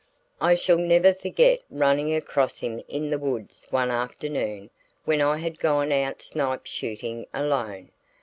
I shall never forget running across him in the woods one afternoon when I had gone out snipe shooting alone.